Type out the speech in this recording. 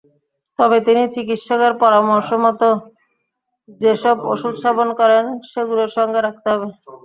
তবে তিনি চিকিৎসকের পরামর্শমতো যেসব ওষুধ সেবন করেন, সেগুলো সঙ্গে রাখতে হবে।